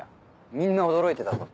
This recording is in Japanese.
みんな驚いてたぞ。